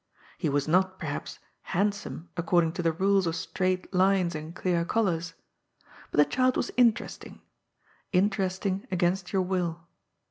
He was not, perhaps, handsome according to the rules of straight lines and clear colours. But the child was interesting — interesting against your will.